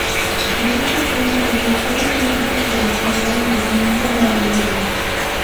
De esta forma, los lectores no tienen que descargar el documento para leerlo.